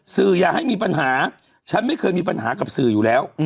อย่าให้มีปัญหาฉันไม่เคยมีปัญหากับสื่ออยู่แล้ว